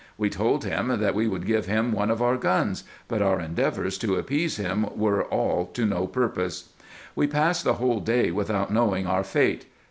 We told him, that we would give him one of our guns ; but our endeavours to appease him were all to no purpose. We passed the whole day without knowing our fate.